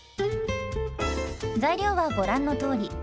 材料はご覧のとおり。